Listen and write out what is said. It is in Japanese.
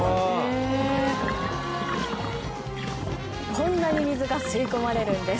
こんなに水が吸い込まれるんです。